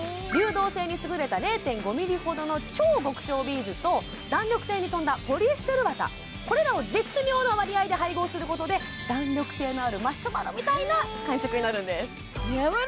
流動性にすぐれた０．５ｍｍほどの超極小ビーズと弾力性に富んだポリエステル綿これらを絶妙な割合で配合することで弾力性のあるマシュマロみたいな感触になるんです